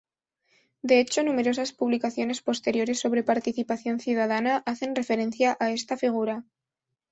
De hecho, numerosas publicaciones posteriores sobre participación ciudadana hacen referencia a esta figura.